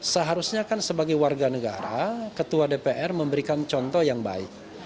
seharusnya kan sebagai warga negara ketua dpr memberikan contoh yang baik